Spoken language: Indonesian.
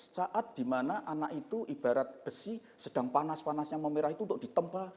saat dimana anak itu ibarat besi sedang panas panasnya memerah itu untuk ditemba